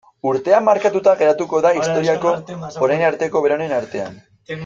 Urtea markatuta geratuko da historiako orain arteko beroenen artean.